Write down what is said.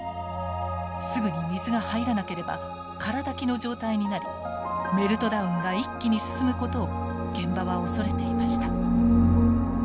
すぐに水が入らなければ空だきの状態になりメルトダウンが一気に進むことを現場は恐れていました。